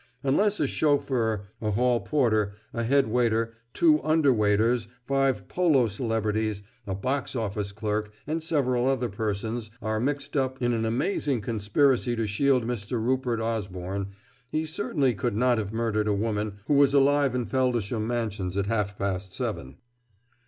Unless a chauffeur, a hall porter, a head waiter, two under waiters, five polo celebrities, a box office clerk, and several other persons, are mixed up in an amazing conspiracy to shield Mr. Rupert Osborne, he certainly could not have murdered a woman who was alive in Feldisham Mansions at half past seven."